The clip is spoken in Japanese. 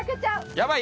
やばい？